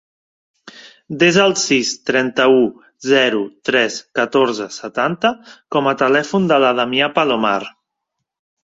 Desa el sis, trenta-u, zero, tres, catorze, setanta com a telèfon de la Damià Palomar.